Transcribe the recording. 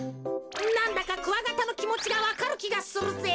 なんだかクワガタのきもちがわかるきがするぜ。